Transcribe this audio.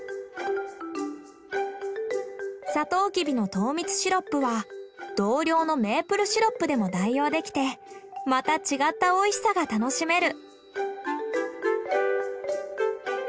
サトウキビの糖蜜シロップは同量のメープルシロップでも代用できてまた違ったおいしさが楽しめる。